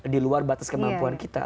di luar batas kemampuan kita